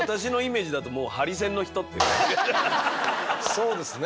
そうですね。